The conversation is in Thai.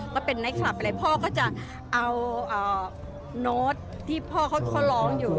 ก็เป็นไคลับอะไรพ่อก็จะเอาโน้ตที่พ่อเขาร้องอยู่